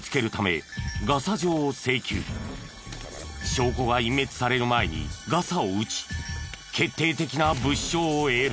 証拠が隠滅される前にガサを打ち決定的な物証を得る。